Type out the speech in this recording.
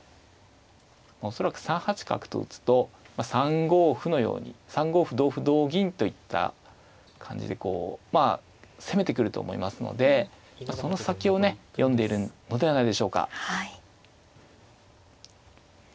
恐らく３八角と打つと３五歩のように３五歩同歩同銀といった感じでこうまあ攻めてくると思いますのでその先をね読んでいるのではないでしょうか。